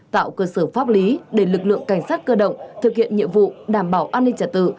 tạo cơ sở pháp lý để lực lượng cảnh sát cơ động thực hiện nhiệm vụ đảm bảo an ninh trả tự